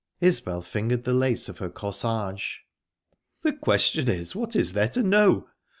Isbel fingered the lace of her corsage. "The question is, what is there to know?